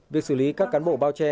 việc xử lý các cán bộ bao che